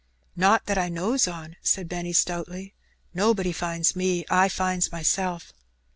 '^Not that I knows on," said Benny, stoutly. ''Nobody finds me; I finds myself."